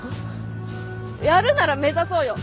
やるなら目指そうよ